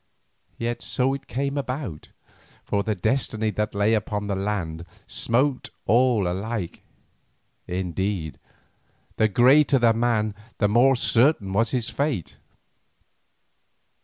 Yet so it came about, for the destiny that lay upon the land smote all alike, indeed the greater the man the more certain was his fate.